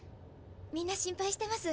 みんな心配してます。